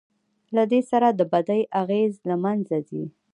له دې سره د بدۍ اغېز له منځه ځي.